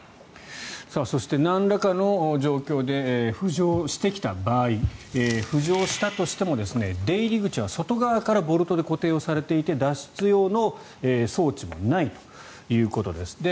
そして、なんらかの状況で浮上してきた場合浮上したとしても出入り口は外側からボルトで固定されていて脱出用の装置もないということです。